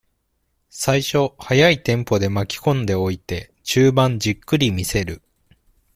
最初、速いテンポで巻きこんでおいて、中盤じっくり見せる。